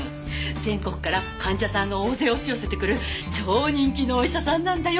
全国から患者さんが大勢押し寄せてくる超人気のお医者さんなんだよ。